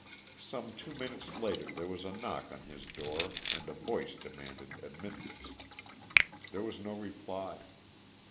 Some two minutes later there was a knock on his door and a voice demanded admittance. There was no reply.